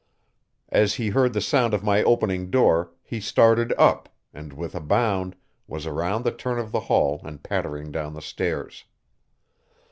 As he heard the sound of my opening door he started up, and with a bound, was around the turn of the hall and pattering down the stairs.